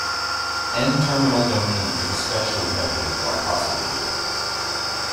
N-terminal domain is especially heavily glycosylated.